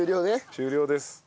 終了です。